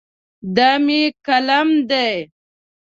دا مې قلم دی.